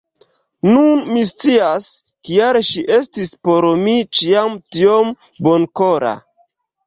Nun mi scias, kial ŝi estis por mi ĉiam tiom bonkora.